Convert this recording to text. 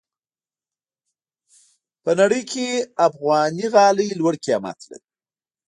په نړۍ کې افغاني غالۍ لوړ قیمت لري.